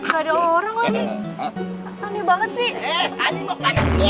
ada orang oh ini aneh banget sih